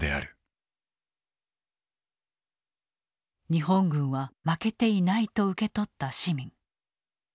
日本軍は負けていないと受け取った市民。